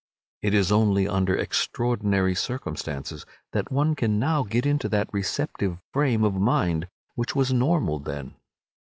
It is only under extraordinary circumstances that one can now get into that receptive frame of mind which was normal then.